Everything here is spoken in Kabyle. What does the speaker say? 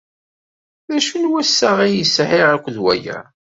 D acu n wassaɣ ay sɛiɣ akked waya?